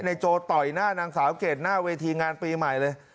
โจต่อยหน้านางสาวเกรดหน้าเวทีงานปีใหม่เลย